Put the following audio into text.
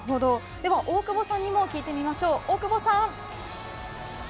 では大久保さんにも聞いてみましょう。